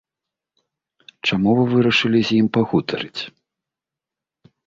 Чаму вы вырашылі з ім пагутарыць?